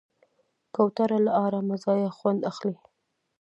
کوتره له آرامه ځایه خوند اخلي.